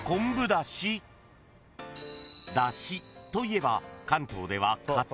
［だしといえば］